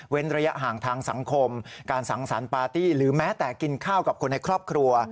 ระยะห่างทางสังคมการสังสรรค์ปาร์ตี้หรือแม้แต่กินข้าวกับคนในครอบครัว